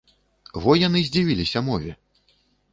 Во яны здзівіліся мове!